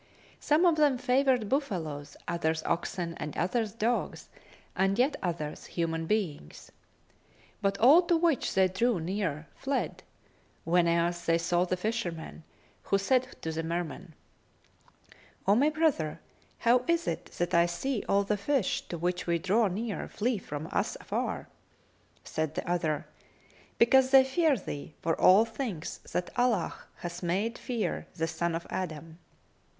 Some of them favoured buffaloes[FN#264] others oxen and others dogs and yet others human beings; but all to which they drew near fled, whenas they saw the fisherman, who said to the Merman, "O my brother, how is it that I see all the fish, to which we draw near, flee from us afar?" Said the other, "Because they fear thee, for all things that Allah hath made fear the son of Adam.